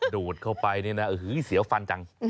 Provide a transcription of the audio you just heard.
ดูดเข้าไปนี่นะเสียวฟันจัง